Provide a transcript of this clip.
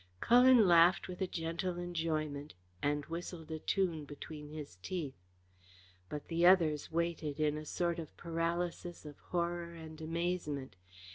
Cullen laughed with a gentle enjoyment and whistled a tune between his teeth. But the others waited in a sort of paralysis of horror and amazement.